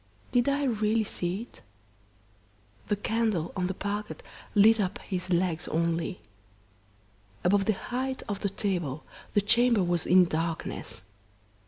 Did I really see it? The candle on the parquet lit up his legs only. Above the height of the table the chamber was in darkness.